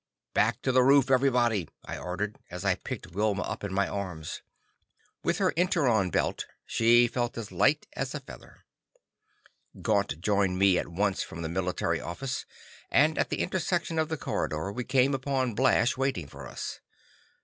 "Back to the roof, everybody!" I ordered, as I picked Wilma up in my arms. With her inertron belt, she felt as light as a feather. Gaunt joined me at once from the military office, and at the intersection of the corridor, we came upon Blash waiting for us.